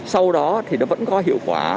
sau đó thì nó vẫn có hiệu quả